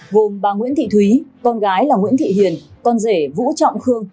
gồm bà nguyễn thị thúy con gái là nguyễn thị hiền con rể vũ trọng khương